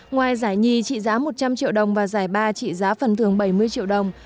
ngoài giải nhì trị giá một trăm linh triệu đồng và giải ba trị giá phần thưởng bảy mươi triệu đồng